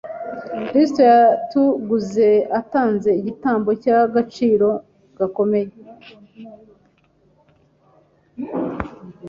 Kristo yatuguze atanze igitambo cy’agaciro gakomeye.